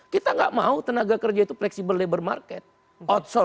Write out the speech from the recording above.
kita nggak mau tenaga kerja itu fleksibel labor market